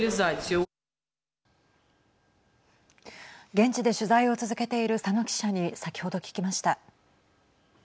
現地で取材を続けている佐野記者に先ほど聞きました。